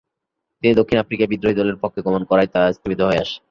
কিন্তু, দক্ষিণ আফ্রিকায় বিদ্রোহী দলের পক্ষে গমনে করায় তা স্তিমিত হয়ে আসে।